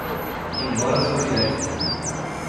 embora soviético